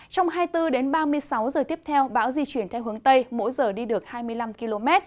trong hai mươi bốn đến ba mươi sáu giờ tiếp theo bão di chuyển theo hướng tây mỗi giờ đi được hai mươi năm km